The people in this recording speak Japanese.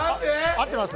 合ってます？